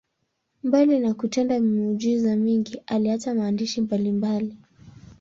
Mbali na kutenda miujiza mingi, aliacha maandishi mbalimbali.